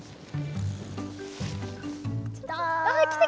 来た！